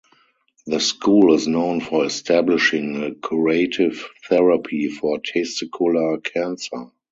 The school is known for establishing a curative therapy for testicular cancer.